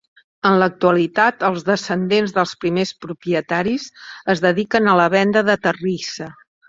En l'actualitat, els descendents dels primers propietaris es dediquen a la venda de terrissa.